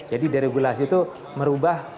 jadi deregulasi itu merubah